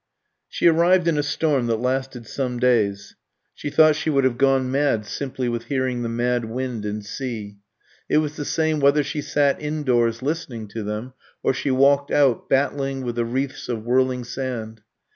She arrived in a storm that lasted some days. She thought she would have gone mad simply with hearing the mad wind and sea. It was the same whether she sat indoors listening to them, or she walked out, battling with the wreaths of whirling sand.